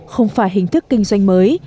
không phải hình thức kinh doanh mới